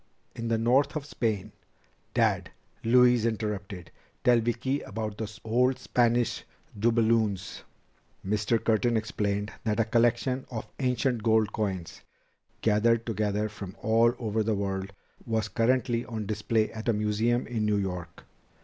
"In the north of Spain " "Dad," Louise interrupted, "tell Vicki about the old Spanish doubloons." Mr. Curtin explained that a collection of ancient gold coins, gathered together from all over the world, was currently on display at a museum in New York.